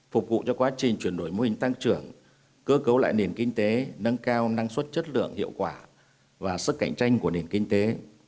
phục vụ cho quá trình chuyển đổi mô hình tăng trưởng cơ cấu lại nền kinh tế nâng cao năng suất chất lượng hiệu quả và sức cạnh tranh của nền kinh tế